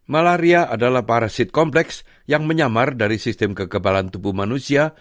malaria adalah parasit kompleks yang menyamar dari sistem kekebalan tubuh manusia